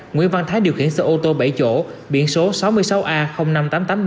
nguyễn văn thái điều khiển xe ô tô bảy chỗ biển số sáu mươi sáu a năm nghìn tám trăm tám mươi ba